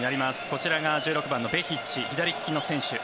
こちらが１６番のベヒッチ左利きの選手。